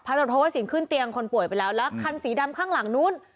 ตรวจโทษสินขึ้นเตียงคนป่วยไปแล้วแล้วคันสีดำข้างหลังนู้น